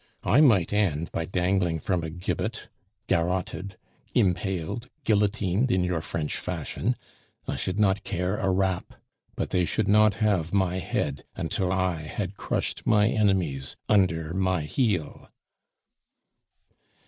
I might end by dangling from a gibbet, garroted, impaled, guillotined in your French fashion, I should not care a rap; but they should not have my head until I had crushed my enemies under my heel."